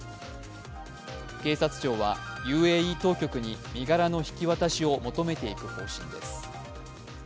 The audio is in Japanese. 警察庁はＵＡＥ当局に身柄の引き渡しを求めていく方針です。